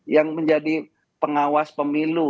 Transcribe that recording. yang menjadi pengawas pemilu